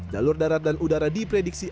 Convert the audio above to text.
jalur darat dan udara di predikasi